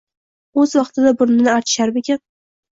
o‘z vaqtida burnini artisharmikin?”